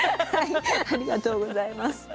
ありがとうございます。